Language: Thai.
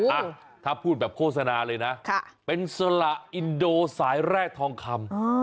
อ่ะถ้าพูดแบบโฆษณาเลยนะเป็นสละอินโดสายแร่ทองคำ